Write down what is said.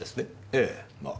ええまあ。